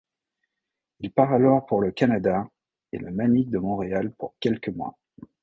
Il part alors pour le Canada et le Manic de Montréal pour quelques mois.